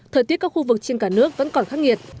thời tiết các khu vực trên cả nước vẫn còn khắc nghiệt